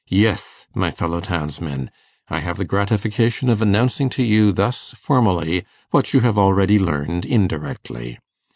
Yes, my fellow townsmen! I have the gratification of announcing to you thus formally what you have already learned indirectly.